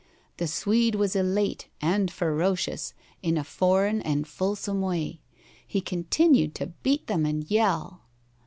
The Swede was elate and ferocious in a foreign and fulsome way. He continued to beat them and yell.